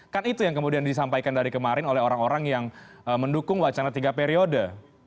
kan itu yang kemudian disampaikan dari kemarin oleh orang orang yang mendukung wacana tiga periode